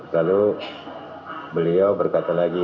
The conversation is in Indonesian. lalu beliau berkata lagi